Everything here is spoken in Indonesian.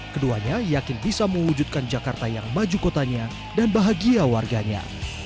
keduanya yakin bisa mewujudkan jakarta yang maju kotanya dan bahagia warganya